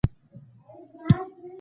دا حديث هر اړخيز اصول راته ښيي.